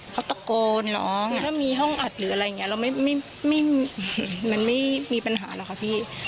เขาตะโกนร้องถ้ามีห้องอัดหรืออะไรอย่างนี้เรามันไม่มีปัญหาหรอกค่ะพี่